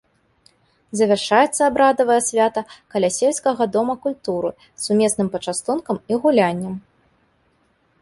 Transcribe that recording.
Завяршаецца абрадавае свята каля сельскага дома культуры сумесным пачастункам і гуляннем.